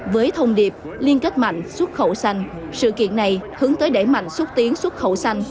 với thông điệp liên kết mạnh xuất khẩu xanh sự kiện này hướng tới đẩy mạnh xúc tiến xuất khẩu xanh